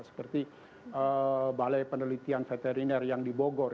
seperti balai penelitian veteriner yang di bogor